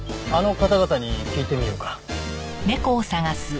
方々に聞いてみようか。